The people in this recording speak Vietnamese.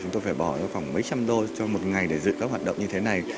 chúng tôi phải bỏ khoảng mấy trăm đô cho một ngày để dự các hoạt động như thế này